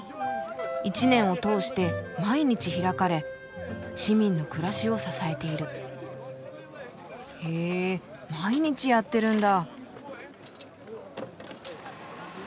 一年を通して毎日開かれ市民の暮らしを支えている」。へ毎日やってるんだ。